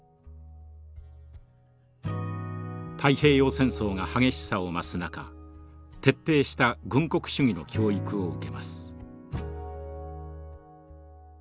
太平洋戦争が激しさを増す中徹底した軍国主義の教育を受けます。